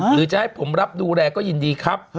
หรือจะให้ผมรับดูแลก็ยินดีครับ